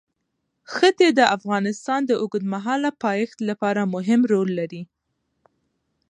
ښتې د افغانستان د اوږدمهاله پایښت لپاره مهم رول لري.